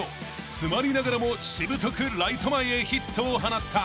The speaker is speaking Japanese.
［詰まりながらもしぶとくライト前へヒットを放った］